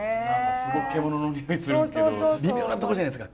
すごく獣の匂いするんですけど微妙なとこじゃないですか